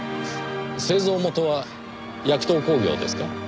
製造元はヤクトー工業ですか？